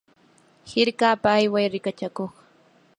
hirkapa ayway rikachakuq.